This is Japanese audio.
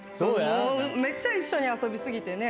めっちゃ一緒に遊び過ぎてね。